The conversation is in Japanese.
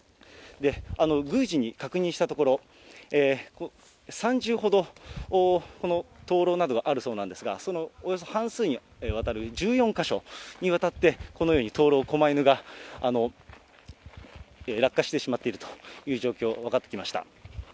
宮司に確認したところ、３０ほど、この灯ろうなどがあるそうなんですが、そのおよそ半数にわたる１４か所にわたってこのように灯ろう、こま犬が落下してしまっているという状況、分かってきました。